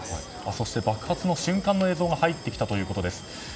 そして爆発の瞬間の映像が入ってきたということです。